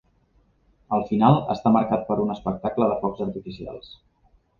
El final està marcat per un espectacle de focs artificials.